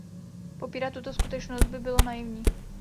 Popírat tuto skutečnost by bylo naivní.